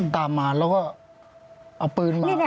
ตามมาแล้วก็เอาปืนมา